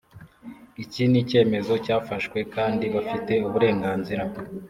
Iki N icyemezo cyafashwe kandi bafite uburenganzira